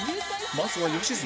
まずは吉住